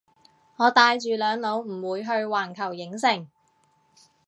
我帶住兩老唔會去環球影城